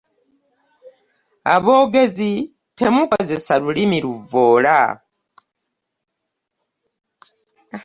Aboogezi temukozesa lulimi luvvoola.